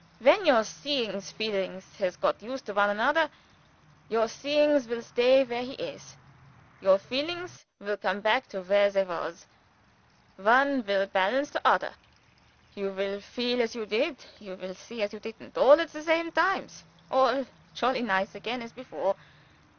When your seeings feelings has got used to one anodder, your seeings will stay where he is, your feelings will come back to where they was; one will balance the odder; you will feel as you did; you will see as you didn't; all at the same times, all jolly nice again as before.